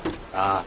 ああ。